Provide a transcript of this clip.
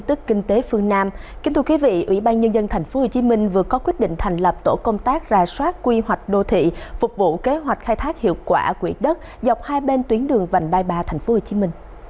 ubnd tp hcm vừa có quyết định thành lập tổ công tác rà soát quy hoạch đô thị phục vụ kế hoạch khai thác hiệu quả quỹ đất dọc hai bên tuyến đường vành đai ba tp hcm